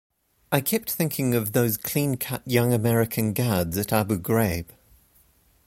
I kept thinking of those clean-cut young American guards at Abu Ghraib.